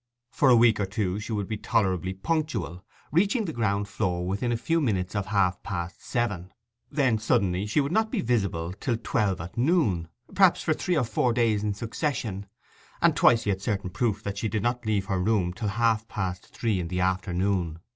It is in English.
For a week or two she would be tolerably punctual, reaching the ground floor within a few minutes of half past seven. Then suddenly she would not be visible till twelve at noon, perhaps for three or four days in succession; and twice he had certain proof that she did not leave her room till half past three in the afternoon.